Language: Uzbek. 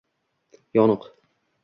yoniq.